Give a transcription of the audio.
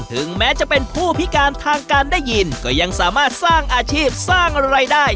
ถึงแม้จะเป็นผู้พิการทางการได้ยินก็ยังสามารถสร้างอาชีพสร้างรายได้